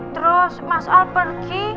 terus mas al pergi